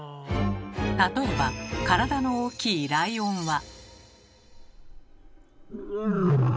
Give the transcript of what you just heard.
例えば体の大きいライオンは。